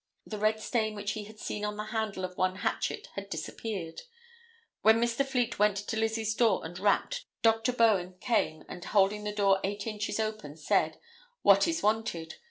The red stain which he had seen on the handle of one hatchet had disappeared. Then Mr. Fleet went to Lizzie's door and rapped; Dr. Bowen came, and holding the door eight inches open, asked, 'what is wanted.